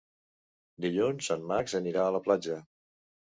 Dilluns en Max anirà a la platja.